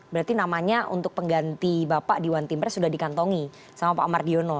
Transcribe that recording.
berarti namanya untuk pengganti bapak di one team press sudah dikantongi sama pak mardiono